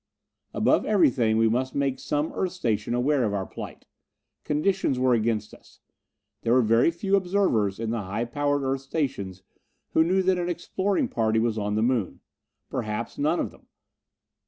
Above everything we must make some Earth station aware of our plight. Conditions were against us. There were very few observers, in the high powered Earth stations who knew that an exploring party was on the Moon. Perhaps none of them.